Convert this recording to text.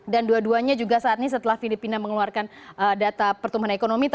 dan dua duanya juga saat ini setelah filipina mengeluarkan data pertumbuhan ekonomi